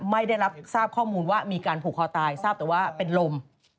ไม่ได้รับทราบข้อมูลว่ามีการผูกคอตายทราบแต่ว่าเป็นลม